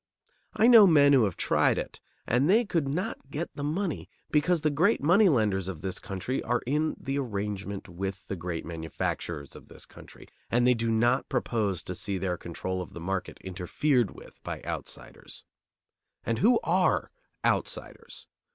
I know men who have tried it, and they could not get the money, because the great money lenders of this country are in the arrangement with the great manufacturers of this country, and they do not propose to see their control of the market interfered with by outsiders. And who are outsiders?